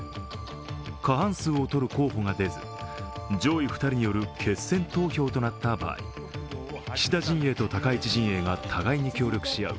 過半数をとる候補が出ず、上位２人による決選投票となった場合、岸田陣営と高市陣営が互いに協力し合う